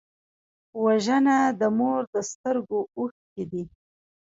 وژنه د مور د سترګو اوښکې دي